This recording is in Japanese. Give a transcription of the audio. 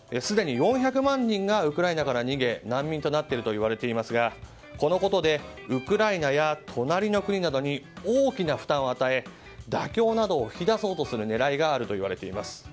すでに４００万人がウクライナから逃げ難民となっているといわれていますが、このことでウクライナや隣の国などに大きな負担を与え妥協などを引き出そうという狙いなどがあるといわれています。